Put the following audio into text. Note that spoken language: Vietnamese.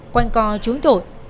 quanh co trốn tội